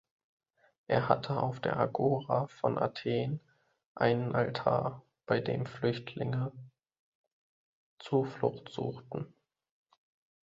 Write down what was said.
Er hatte auf der Agora von Athen einen Altar, bei dem Flüchtlinge Zuflucht suchten.